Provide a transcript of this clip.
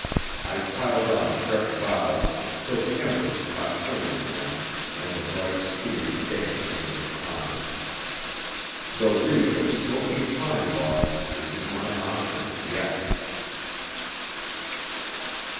I piled on fresh boughs till the embers caught flame again and the bright spears danced under the pines. The reek of smoking pine logs is in my nostrils yet.